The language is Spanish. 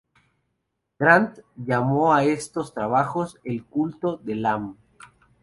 Grant llamó a estos trabajos "el culto de Lam".